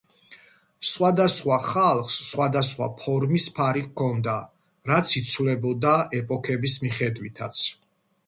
სხვადასხვა ხალხს სხვადასხვა ფორმის ფარი ჰქონდა, რაც იცვლებოდა ეპოქების მიხედვითაც.